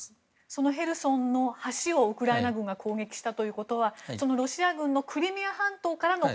そのヘルソンの橋をウクライナ軍が攻撃したということはロシア軍のクリミア半島からの